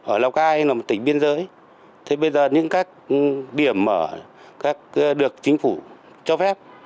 ở lào cai là một tỉnh biên giới thế bây giờ những các điểm ở được chính phủ cho phép